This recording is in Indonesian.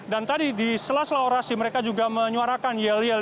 dan tadi di selas sela orasi mereka juga menyuarakan yel yel